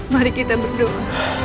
mari kita berdoa